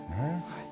はい。